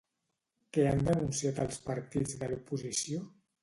Què han denunciat els partits de l'oposició?